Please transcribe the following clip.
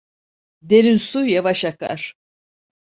Derin su yavaş akar.